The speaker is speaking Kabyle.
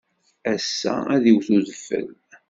Ass-a, ad iwet udfel.